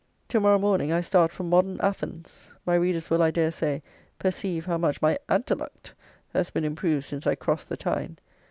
To morrow morning I start for "Modern Athens"! My readers will, I dare say, perceive how much my "antalluct" has been improved since I crossed the Tyne.